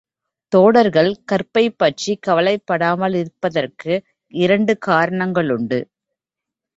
தோடர்கள் கற்பைப் பற்றிக் கவலைப்படாமலிருப்பதற்கு இரண்டு காரணங்களுண்டு.